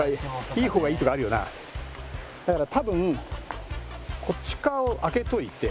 だから多分こっち側を開けといて。